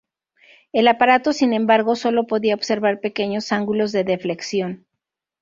El aparato, sin embargo, solo podía observar pequeños ángulos de deflexión.